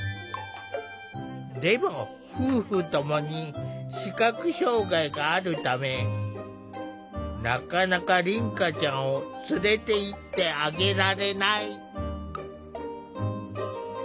でも夫婦共に視覚障害があるためなかなか凛花ちゃんを連れていってあげられない。